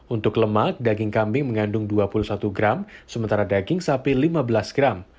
untuk lemak daging kambing mengandung dua puluh satu gram sementara daging sapi lima belas gram